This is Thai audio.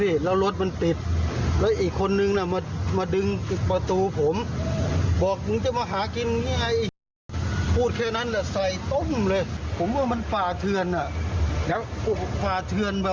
ที่บรรเทพมีเหตุการณ์